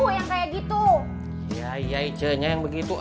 semoga justus saja yang baik